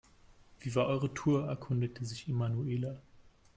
Wie war eure Tour?, erkundigte sich Emanuela.